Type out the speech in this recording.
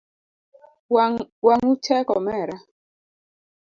Wangu tek omera